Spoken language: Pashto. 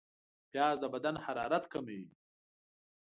پیاز د بدن حرارت کموي